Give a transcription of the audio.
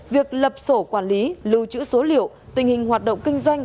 việc lập sổ quản lý lưu trữ số liệu tình hình hoạt động kinh doanh